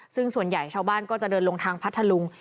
ซึ่งส่วนใหญ่ชาวบ้านก็จะเดินลงทางพัทธลุง